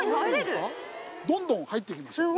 どんどん入っていきましょう。